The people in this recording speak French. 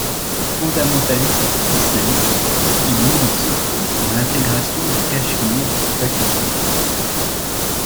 Fondamentaliste islamiste, il milite surtout pour l'intégration du Cachemire au Pakistan.